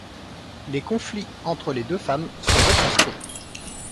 Les conflits entre les deux femmes sont retranscrits.